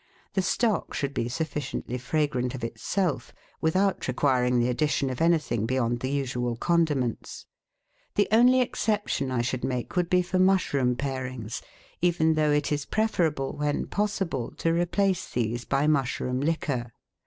The stock should be sufficiently fragrant of itself, without requiring the addition of anything beyond the usual condiments. The only exception I should make would be for mushroom parings, even though it is preferable, when possible, to replace these by mushroom liquor.